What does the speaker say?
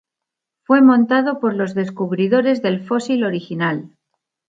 Fue montado por los descubridores del fósil original.